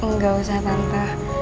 gak usah tante